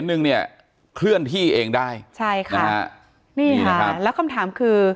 นึงเนี่ยเคลื่อนที่เองได้ใช่ค่ะนี่ค่ะแล้วคำถามคือ